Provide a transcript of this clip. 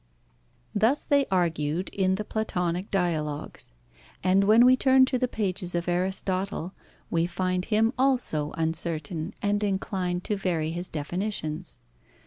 Thus they argued in the Platonic dialogues, and when we turn to the pages of Aristotle, we find him also uncertain and inclined to vary his definitions.